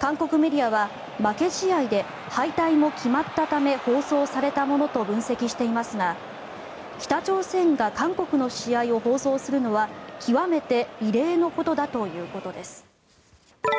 韓国メディアは負け試合で敗退も決まったため放送されたものと分析していますが北朝鮮が韓国の試合を放送するのは極めて異例のことだということです。